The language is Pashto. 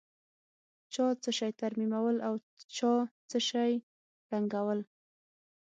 چا څه شي ترمیمول او چا څه شي ړنګول.